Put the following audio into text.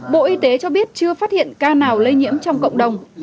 bộ y tế cho biết chưa phát hiện ca nào lây nhiễm trong cộng đồng